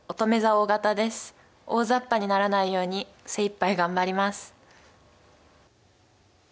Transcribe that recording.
大ざっぱにならないように精いっぱい頑張ります。